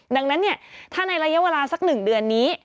ดังนั้นถ้าในระยะเวลาสัก๑เดือนนี้